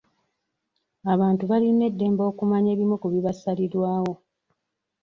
Abantu balina eddembe okumanya ebimu ku bibasalirwawo.